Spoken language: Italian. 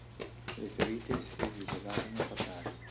Le ferite si rivelarono fatali.